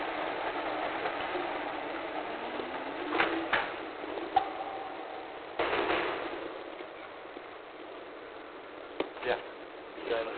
そんときはみんじゃ違います